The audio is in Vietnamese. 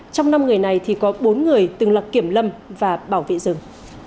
trong năm người này thì có bốn người từng là kiểm lâm và bảo vệ rừng